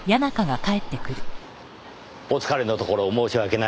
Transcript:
お疲れのところ申し訳ない。